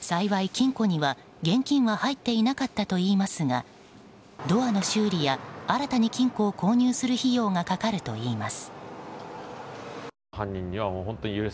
幸い金庫には現金は入っていなかったといいますがドアの修理や新たに金庫を購入する費用がかかるといいます。